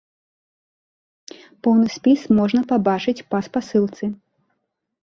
Поўны спіс можна пабачыць па спасылцы.